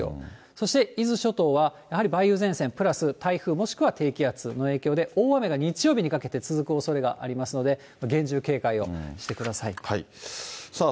そして伊豆諸島は、やはり梅雨前線、プラス台風、もしくは低気圧の影響で大雨が日曜日にかけて続くおそれがありまさあ